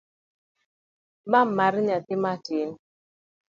Ma mar nyathi matin.